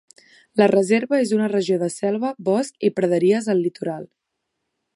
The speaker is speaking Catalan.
La reserva és una regió de selva, bosc i praderies al litoral.